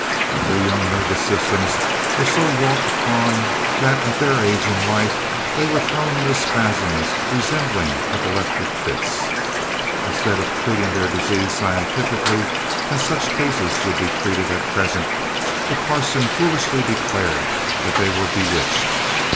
Their young nervous systems were so wrought upon, that, at their age in life, they were thrown into spasms resembling epileptic fits. Instead of treating their disease scientifically, as such cases would be treated at present, the parson foolishly declared that they were bewitched.